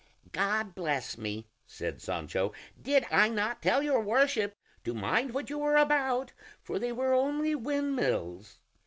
"God bless me!" said Sancho, "did I not tell your Worship to mind what you were about, for they were only windmills?